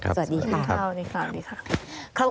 สวัสดีครับ